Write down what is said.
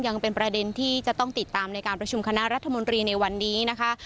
ยังเป็นประเด็นที่จะต้องติดตามในการประชุมคณะรัฐมนตรีในวันนี้นะคะ